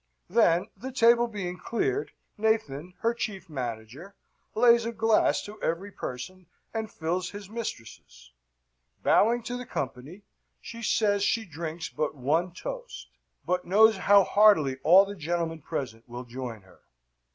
Then, the table being cleared, Nathan, her chief manager, lays a glass to every person, and fills his mistress's. Bowing to the company, she says she drinks but one toast, but knows how heartily all the gentlemen present will join her.